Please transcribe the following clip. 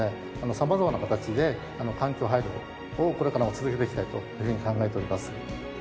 様々な形で環境配慮をこれからも続けていきたいというふうに考えております。